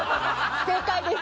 正解です！